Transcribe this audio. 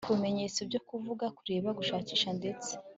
kubimenyetso byo kuvuga, kureba gushakisha ndetse